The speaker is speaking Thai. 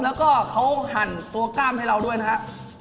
แล้วก็เขาหั่นตัวกล้ามให้เราด้วยนะครับ